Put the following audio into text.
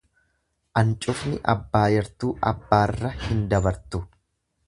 Ancufni abbaa yartuu abbaarra hin dabartu.